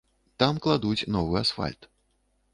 Там кладуць новы асфальт.